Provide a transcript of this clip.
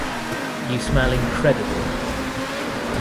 You smell incredible.